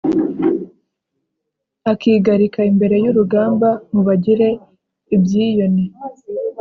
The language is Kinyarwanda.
Akigarika imbere y'urugamba mubagira ibyiyone,